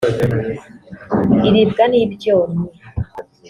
iribwa n’ibyonnyi